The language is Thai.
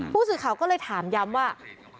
ผู้สื่อข่าวก็เลยถามย้ำว่า